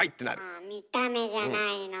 あ見た目じゃないのよ。